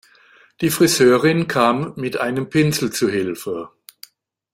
Die Friseurin kam mit einem Pinsel zu Hilfe.